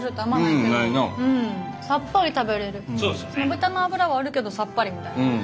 豚の脂はあるけどさっぱりみたいな。